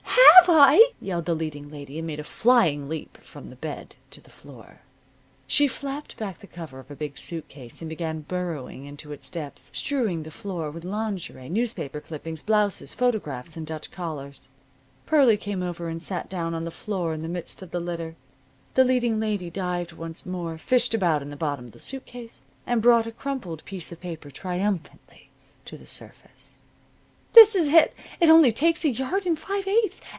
"Have I!" yelled the leading lady. And made a flying leap from the bed to the floor. She flapped back the cover of a big suit case and began burrowing into its depths, strewing the floor with lingerie, newspaper clippings, blouses, photographs and Dutch collars. Pearlie came over and sat down on the floor in the midst of the litter. The leading lady dived once more, fished about in the bottom of the suit case and brought a crumpled piece of paper triumphantly to the surface. "This is it. It only takes a yard and five eighths.